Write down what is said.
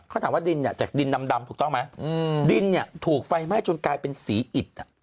เขาถามว่าดินเนี่ยจากดินดำถูกต้องไหมดินเนี่ยถูกไฟไหม้จนกลายเป็นสีอิด